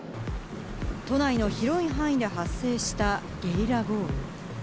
都内の広い範囲で発生したゲリラ豪雨。